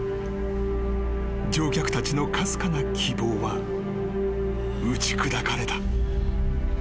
［乗客たちのかすかな希望は打ち砕かれた］